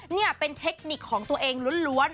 นี่เป็นเทคนิคของตัวเองล้วน